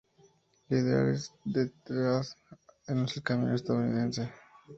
Liderar desde atrás no es el camino estadounidense.